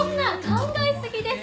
考えすぎですよ。